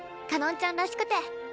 かのんちゃんらしくて。